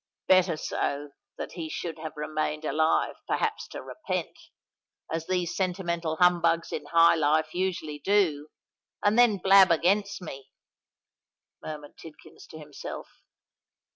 "Better so than that he should have remained alive perhaps to repent, as these sentimental humbugs in high life usually do, and then blab against me," murmured Tidkins to himself.